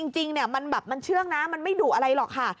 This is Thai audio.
จริงมันแบบมันเชื่องนะมันไม่ดุอะไรหรอกค่ะ